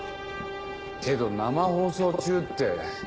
けど生放送中って。